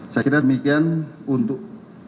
saya kira demikian untuk